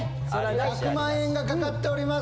１００万円が懸かっております